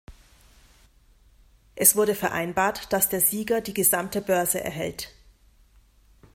Es wurde vereinbart, dass der Sieger die gesamte Börse erhält.